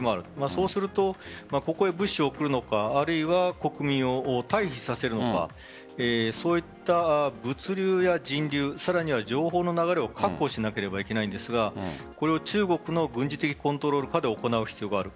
そうするとここへ物資を送るのかあるいは国民を退避させるのかそういった物流や人流さらには情報の流れを確保しなければいけないんですが中国の軍事的コントロール下で行う必要がある。